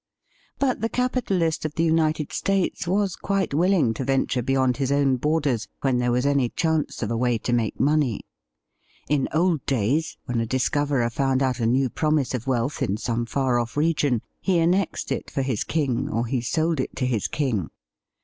But the capitalist of the United States was quite willing to venture beyond his own borders when there was any chance of a way to make money. In old days, when a discoverer found out a new promise of wealth in some far off region, he annexed it for his king or he sold it to his king.